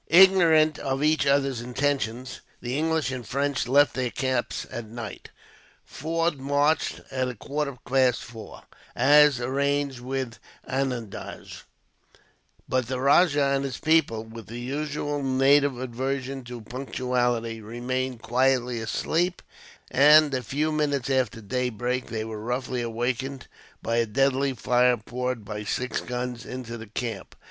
Ignorant of each other's intentions, the English and French left their camps at night. Forde marched at a quarter past four, as arranged with Anandraz; but the rajah and his people, with the usual native aversion to punctuality, remained quietly asleep, and a few minutes after daybreak they were roughly awakened, by a deadly fire poured by six guns into the camp.